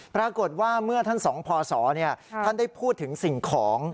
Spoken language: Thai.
ปรากฏว่าเมื่อท่านสองพศท่านได้พูดถึงสิ่งของ